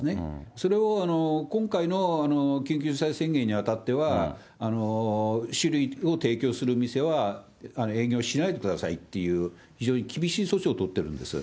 それを今回の緊急事態宣言にあたっては、酒類を提供する店は営業しないでくださいっていう、非常に厳しい措置を取ってるんです。